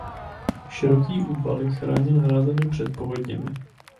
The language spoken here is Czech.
Široký úval je chráněn hrázemi před povodněmi.